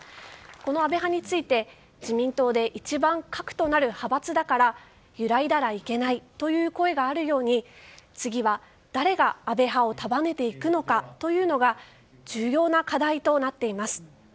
この安倍派について、自民党で一番核となる派閥だから揺らいだらいけないという声があるように次は誰が安倍派を束ねていくのかというのが重要な課題となっています。